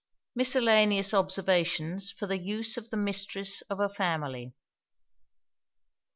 MISCELLANEOUS OBSERVATIONS FOR THE USE OF THE MISTRESS OF A FAMILY.